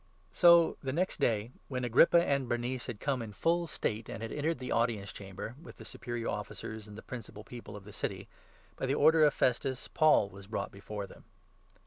So the next day, when Agrippa and Bernice had come in full 23 state and had entered the Audience Chamber, with the superior officers and the principal people of the city, by the order of Festus Paul was brought before them.